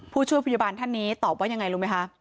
ผู้ช่วยพยาบาลท่านนี้ตอบว่ายังไงรู้ไหมคะ